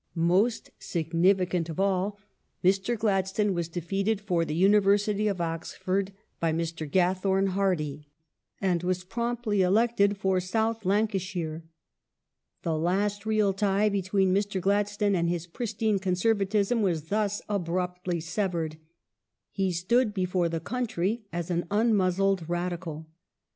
Most significant of all : Mr. Gladstone was defeated for the Uni versity of Oxford by Mr. Gathorne Hardy, and was promptly elected for South Lancashire. The last real tie between Mr. Gladstone and his pristine Conservatism was thus abruptly severed ; i he stood before the country an " unmuzzled " Radical.